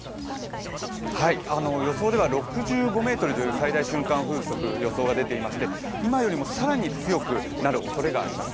予想では６５メートルという最大瞬間風速、予想が出ていまして今よりも更に強くなるおそれがあります。